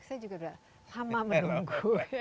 saya juga sudah lama menunggu